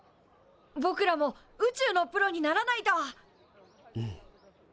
ぼくらも宇宙のプロにならないと！